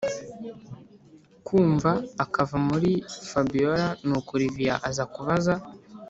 kumva akava muri fabiora nuko olivier aza kubaza